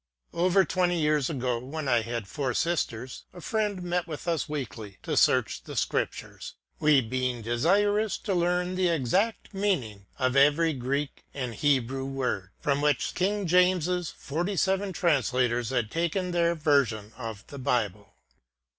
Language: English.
Over twenty years ago, when I had four sisters, a friend met with us weekly, to search the Scriptures, we being desirous to learn the exact meaning of every Greek and Hebrew word, from which King James's forty seven translators had taken their version of the Bible.